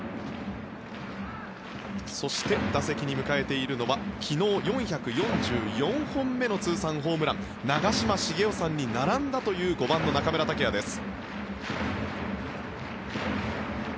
そして、打席に迎えているのは昨日、４４４本目の通算ホームラン長嶋茂雄さんに並んだという５番の中村剛也です。